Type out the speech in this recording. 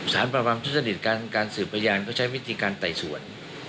สารปราบรามทุจจริตการสืบประยานก็ใช้วิธีการไต่สวน